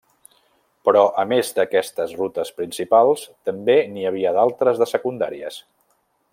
Però, a més d'aquestes rutes principals, també n'hi havia d'altres de secundàries.